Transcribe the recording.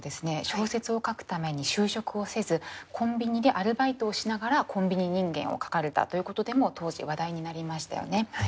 小説を書くために就職をせずコンビニでアルバイトをしながら「コンビニ人間」を書かれたということでも当時話題になりましたよね。